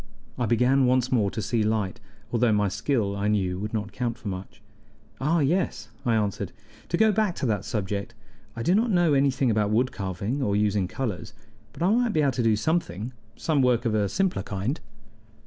I began once more to see light, although my skill, I knew, would not count for much. "Ah yes," I answered: "to go back to that subject, I do not know anything about wood carving or using colors, but I might be able to do something some work of a simpler kind."